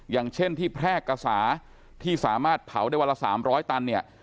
อย่างเช่นที่แพร่กษาที่สามารถเผาได้วันละ๓๐๐ตันเนี่ย